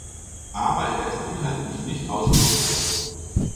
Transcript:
Aber er ist inhaltlich nicht ausgewogen.